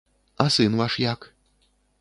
А сын ваш як?